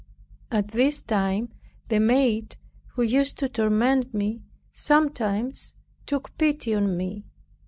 At this time, the maid, who used to torment me sometimes took pity on me.